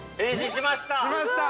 ◆しました！